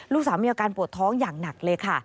ลูกสาวมีอาการปวดท้องอย่างหนักเลยค่ะ